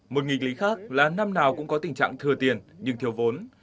một nghịch lý khác là năm nào cũng có tình trạng thừa tiền nhưng thiếu vốn